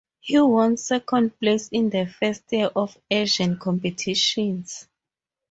He won second place in the first year of Asian competitions.